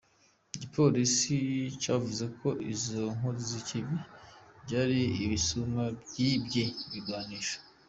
Igipolisi cavuze ko izo nkozi z'ikibi vyari ibisuma vyivye ibigwanisho.